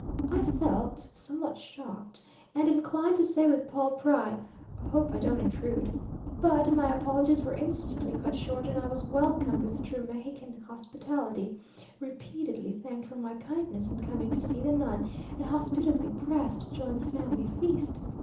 I felt somewhat shocked, and inclined to say with Paul Pry, "Hope I don't intrude." But my apologies were instantly cut short, and I was welcomed with true Mexican hospitality; repeatedly thanked for my kindness in coming to see the nun, and hospitably pressed to join the family feast.